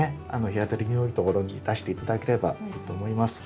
日当たりのよいところに出して頂ければいいと思います。